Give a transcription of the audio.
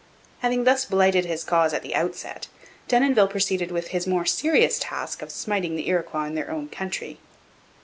Having thus blighted his cause at the outset, Denonville proceeded with his more serious task of smiting the Iroquois in their own country.